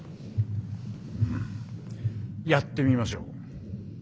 うんやってみましょう。